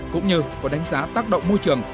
cũng như có đánh giá tác động môi trường